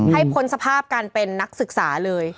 พ้นสภาพการเป็นนักศึกษาเลย